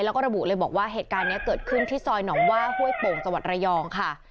แล้วก็ระบุเลยบอกว่าเหตุการณ์นี้เกิดขึ้นที่ซอยหนองว่าห้วยโป่งจังหวัดระยองค่ะ